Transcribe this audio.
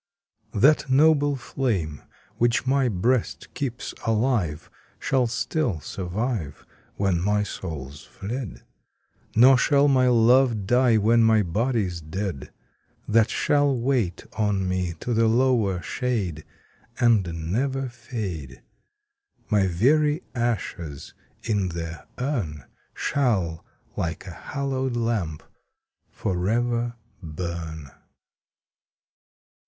That noble flame, which my Ijreast keeps alive. Shall still survive Wlien my soul's fled ; Nor shall my love die, when ray Ijody's dead ; That shall wait on me to the lower shade, And never fade : My very ashes in their urn Shall, like a hallowed lamp, for ever burn.